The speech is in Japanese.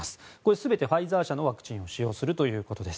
全てファイザー社のワクチンを使用するということです。